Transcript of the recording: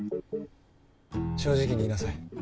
正直に言いなさい。